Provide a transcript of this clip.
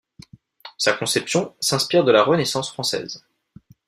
Sa conception s'inspire de la Renaissance française.